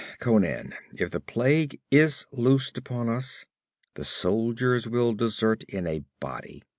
'Conan, if the plague is loosed upon us, the soldiers will desert in a body!